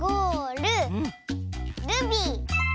ルビー。